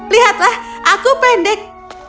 lihatlah aku pendek